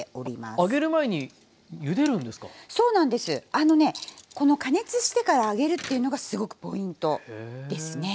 あのねこの加熱してから揚げるっていうのがすごくポイントですね。